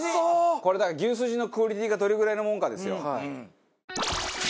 これだから牛すじのクオリティーがどれぐらいのものかですよ。